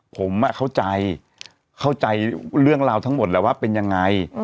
ผมเข้าใจเข้าใจเรื่องราวทั้งหมดแล้วว่าเป็นยังไง